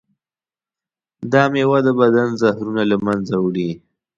دا میوه د بدن زهرونه له منځه وړي.